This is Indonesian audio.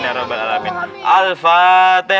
sampai menuju perjalanan kita salawat dulu